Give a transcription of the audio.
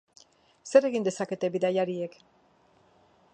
Zer egin dezakete bidaiariek?